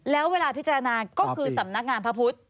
แล้วเวลาพิจารณาก็คือสำนักงานพระพุทธ